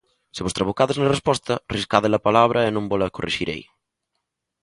Se vos trabucades na resposta riscádela palabra e non vola correxirei